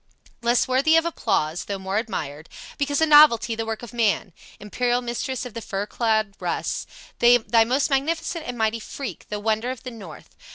"Less worthy of applause though more admired Because a novelty, the work of man, Imperial mistress of the fur clad Russ, Thy most magnificent and mighty freak, The wonder of the north.